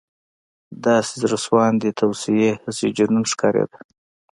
• داسې زړهسواندې توصیې، هسې جنون ښکارېده.